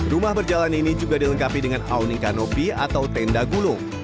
rumah berjalan ini juga dilengkapi dengan awni kanopi atau tenda gulung